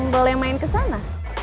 boleh main ke sana